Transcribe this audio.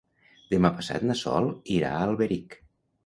Demà passat na Sol irà a Alberic.